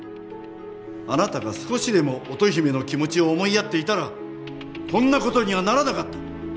あなたが少しでも乙姫の気持ちを思いやっていたらこんな事にはならなかった。